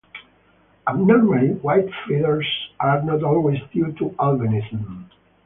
Abnormally white feathers are not always due to albinism.